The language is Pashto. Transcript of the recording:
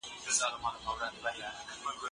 اقتصادي تګلارې په تېرو کلونو کي بدلې سوي.